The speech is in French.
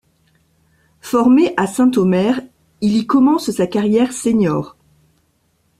Formé à Saint-Omer, il y commence sa carrière sénior.